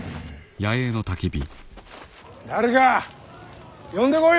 誰か呼んでこいよ